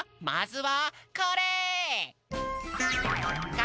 まずはこれ！